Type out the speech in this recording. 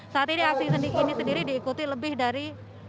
saat ini aksi ini sendiri diikuti lebih dari